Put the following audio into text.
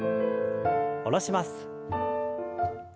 下ろします。